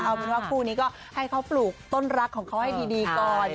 เอาเป็นว่าคู่นี้ก็ให้เขาปลูกต้นรักของเขาให้ดีก่อน